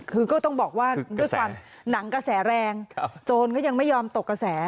คือก็ต้องบอกว่าด้วยความหนังกระแสแรงโจรก็ยังไม่ยอมตกกระแส